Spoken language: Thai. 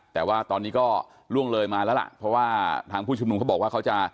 แต่ว่าตอนนี้ก็ล่วงเลยมาแล้วล่ะเพราะว่าทางผู้ชุมนุมเขาบอกว่าเขาจะ